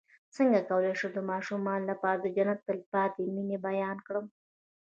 څنګه کولی شم د ماشومانو لپاره د جنت د تل پاتې مینې بیان کړم